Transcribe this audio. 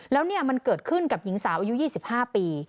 แล้วเนี่ยมันเกิดขึ้นกับหญิงสาวอายุ๒๕ปี